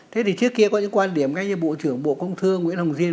thế thì trước kia có những quan điểm ngay như bộ trưởng bộ công thương nguyễn hồng diên